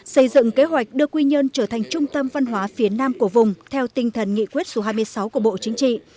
xây dựng kế hoạch đưa quy nhơn trở thành trung tâm văn hóa phía nam của vùng theo tinh thần nghị quyết số hai mươi sáu của bộ chính trị